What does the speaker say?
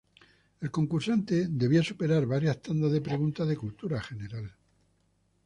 El concursante debía superar varias tandas de preguntas de cultura general.